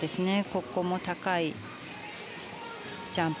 ここも高いジャンプ。